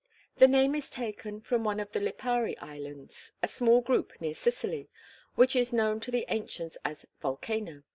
The name is taken from one of the Lipari Islands a small group near Sicily which was known to the ancients as Vulcano.